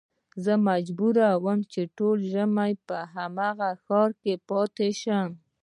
زه مجبور وم چې ټول ژمی په هغه ښار کې پاته شم.